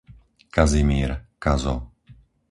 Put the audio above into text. Kazimír, Kazo